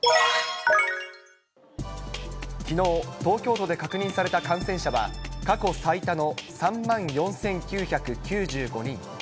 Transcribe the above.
きのう、東京都で確認された感染者は過去最多の３万４９９５人。